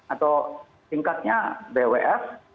atau tingkatnya bwf